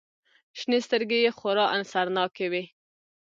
شنې سترگې يې خورا اثرناکې وې.